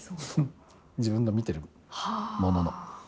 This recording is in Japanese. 自分が見ているものの。